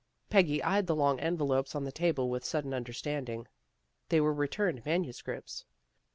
Peggy eyed the long envelopes on the table with sudden understanding. They were re turned manuscripts.